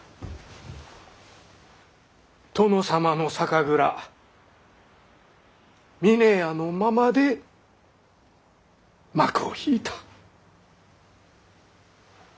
殿様の酒蔵峰屋のままで幕を引いた。